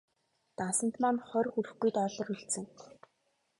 Дансанд маань хорь хүрэхгүй доллар үлдсэн.